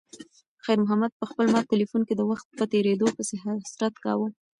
خیر محمد په خپل مات تلیفون کې د وخت په تېریدو پسې حسرت کاوه.